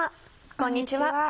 こんにちは。